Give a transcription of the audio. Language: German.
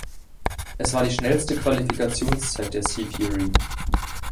Es war die schnellste Qualifikationszeit der Sea Fury.